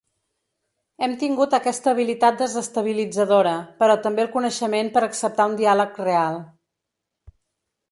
Hem tingut aquesta habilitat desestabilitzadora, però també el coneixement per acceptar un diàleg real.